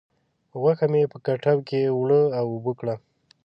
غوښه مې په کټو کې اوړه و اوبه کړه.